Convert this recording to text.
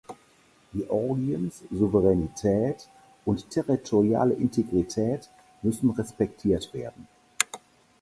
Georgiens Souveränität und territoriale Integrität müssen respektiert werden.